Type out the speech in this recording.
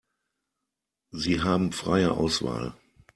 Sie haben freie Auswahl.